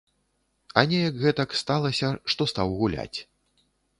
А неяк гэтак сталася, што стаў гуляць.